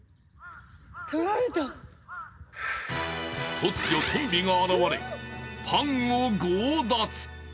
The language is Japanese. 突如、トンビが現れパンを強奪！